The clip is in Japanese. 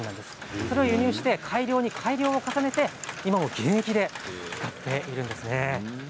それを輸入して改良に改良を重ねて今も現役で使っているんですね。